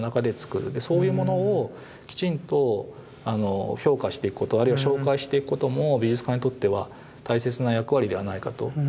でそういうものをきちんと評価していくことあるいは紹介していくことも美術館にとっては大切な役割ではないかと。